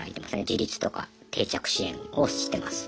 自立とか定着支援をしてます。